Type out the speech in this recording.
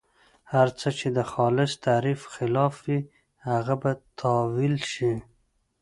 هر څه چې د خالص تعریف خلاف وي هغه به تاویل شي.